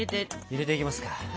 入れていきますか。